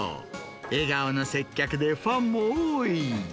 笑顔の接客でファンも多い。